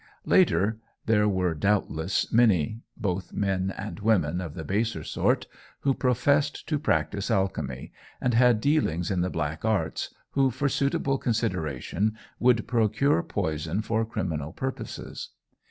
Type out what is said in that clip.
Later, there were, doubtless, many, both men and women of the baser sort, who professed to practise alchemy, and had dealings in the black arts, who for suitable consideration would procure poison for criminal purposes.